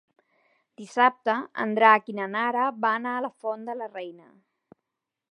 Dissabte en Drac i na Nara van a la Font de la Reina.